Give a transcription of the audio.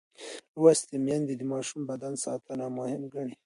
لوستې میندې د ماشوم د بدن ساتنه مهم ګڼي.